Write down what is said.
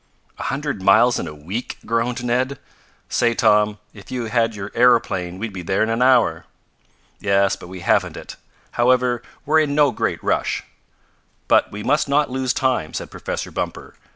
"A hundred miles in a week!" groaned Ned. "Say, Tom, if you had your aeroplane we'd be there in an hour." "Yes, but we haven't it. However, we're in no great rush." "But we must not lose time," said Professor Bumper.